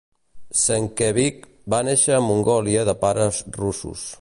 Senkevich va néixer a Mongolia de pares russos.